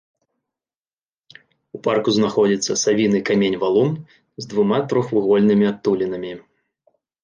У парку знаходзіцца савіны камень-валун з двума трохвугольнымі адтулінамі.